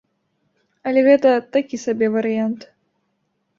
Але гэта такі сабе варыянт.